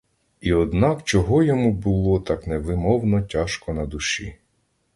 І однак чого йому було так невимовно тяжко на душі?